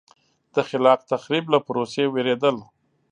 د خلاق تخریب له پروسې وېرېدل.